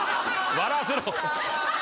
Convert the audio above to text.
笑わせろ！